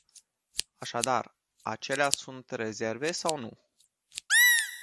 Așadar, acelea sunt rezerve sau nu?